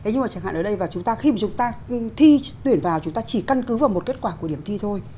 nhưng mà chẳng hạn ở đây và khi mà chúng ta thi tuyển vào chúng ta chỉ căn cứ vào một kết quả của điểm thi thôi